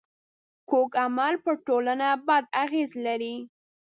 کوږ عمل پر ټولنه بد اغېز لري